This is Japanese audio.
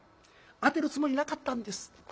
当てるつもりなかったんです。